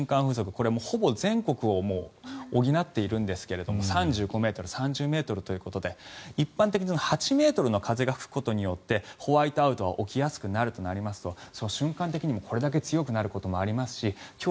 これはほぼ全国を補っているんですが３５ｍ、３０ｍということで一般的に８ｍの風が吹くことによってホワイトアウトは起きやすくなりますので瞬間的にもこれだけ強くなることもありますし今日